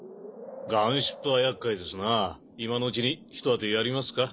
ガンシップは厄介ですなぁ今のうちにひと当てやりますか？